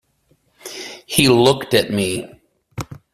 He looked at me.